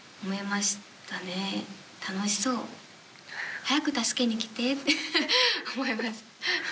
早く助けに来てって思います。